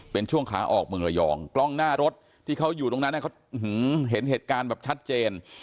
เป็นช่วงขาออกเมืองระยองกล้องหน้ารถที่เขาอยู่ตรงนั้นเขาเห็นเหตุการณ์แบบชัดเจน